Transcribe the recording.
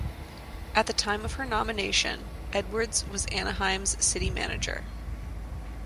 At the time of her nomination, Edwards was Anaheim's City Manager.